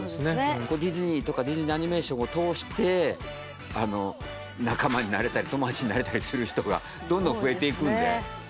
ディズニーとかディズニーアニメーションを通して仲間になれたり友達になれたりする人がどんどん増えていくんで。